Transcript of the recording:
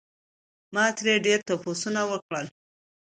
ما ترې ډېر تپوسونه وکړل